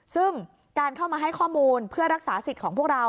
ซึ่งการเข้ามาให้ข้อมูลเพื่อรักษาสิทธิ์ของพวกเรา